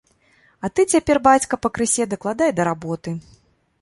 А ты цяпер, бацька, пакрысе дакладай да работы.